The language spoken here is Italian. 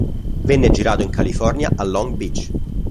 Venne girato in California a Long Beach.